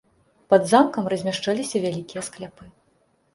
Пад замкам размяшчаліся вялікія скляпы.